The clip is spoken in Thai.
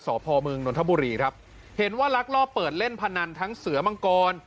สอบภอมเมืองนทบุรีครับเห็นว่าลักลอบเปิดเล่นพนันทั้งเสือมังกร